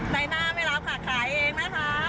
ในหน้าไม่รับค่ะขายเองนะคะ